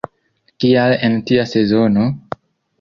Kial en tia sezono?